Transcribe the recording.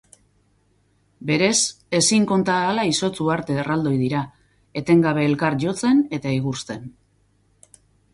Berez, ezin konta ahala izotz uharte erraldoi dira, etengabe elkar jotzen eta igurzten